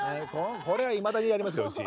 これはいまだにやりますけどうち。